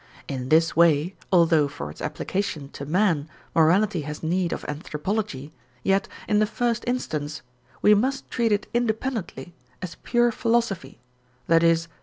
In this way, although for its application to man morality has need of anthropology, yet, in the first instance, we must treat it independently as pure philosophy, i.e.